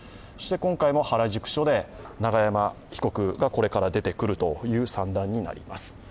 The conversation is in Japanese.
今回も原宿署で永山被告がこれから出てくるという算段になります。